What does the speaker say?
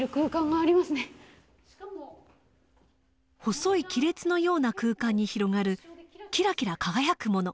細い亀裂のような空間に広がるキラキラ輝くもの。